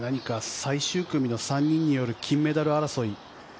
何か最終組の３人による金メダル争い。